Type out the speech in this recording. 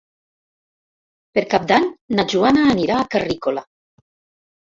Per Cap d'Any na Joana anirà a Carrícola.